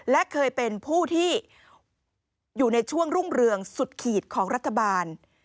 และเคยเป็นผู้ที่อยู่ในช่วงรุ่งเรืองสุดขีดของรัฐบาล